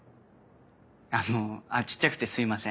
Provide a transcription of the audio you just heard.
あの小っちゃくてすいません。